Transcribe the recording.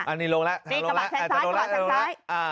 อันนี้ลงแล้วตรงนี้กระบะแซงซ้าย